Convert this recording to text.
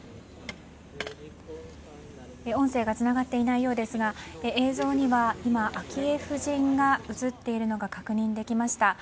音声がつながっていないようですが映像には昭恵夫人が映っているのが確認できました。